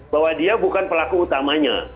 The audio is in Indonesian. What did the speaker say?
bahwa dia bukan pelaku utamanya